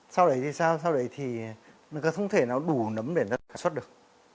sau đấy thì sao sau đấy thì nó không thể nào đủ nấm để nó sản xuất được